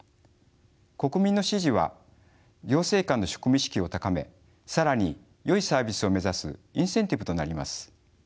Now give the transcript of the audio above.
国民の支持は行政官の職務意識を高め更によいサービスを目指すインセンティブとなります。